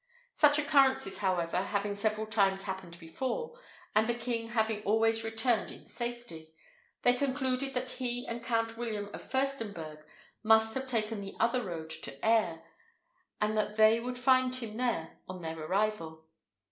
Such occurrences, however, having several times happened before, and the king having always returned in safety, they concluded that he and Count William of Firstenberg must have taken the other road to Aire, and that they would find him there on their arrival.